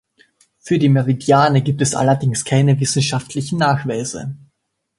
Für die Meridiane gibt es allerdings keine wissenschaftlichen Nachweise.